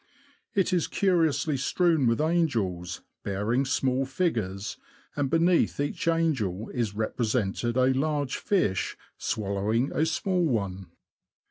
It is curiously strewn with angels, bearing small figures, and beneath each angel is represented a large fish swallowing a small one.